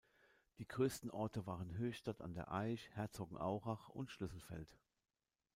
Die größten Orte waren Höchstadt an der Aisch, Herzogenaurach und Schlüsselfeld.